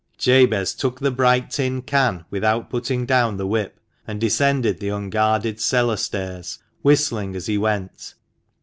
Jabez took the bright tin can, without putting down the whip, and descended the unguarded cellar stairs, whistling as he went.